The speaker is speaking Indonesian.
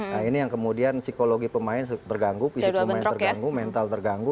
nah ini yang kemudian psikologi pemain terganggu fisik pemain terganggu mental terganggu